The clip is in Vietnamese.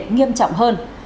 nghiêm trọng hơn